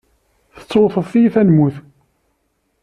Tettewteḍ tiyita n lmut.